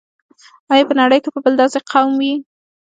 آیا په نړۍ کې به بل داسې قوم وي.